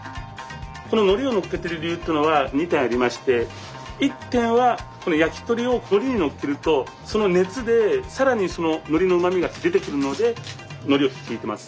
こののりをのっけてる理由っていうのは２点ありまして１点はこの焼き鳥をのりにのっけるとその熱で更にそののりのうまみが出てくるのでのりをひいてます。